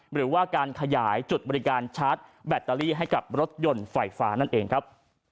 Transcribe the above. หรือว่าการขยายจุดบริการชาร์จแบตเตอรี่ให้กับรถยนต์ไฟฟ้านั่นเองครับ